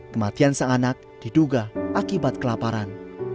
kematian sang anak diduga akibat kelaparan